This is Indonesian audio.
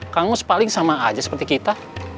kang mus paling sama aja seperti kita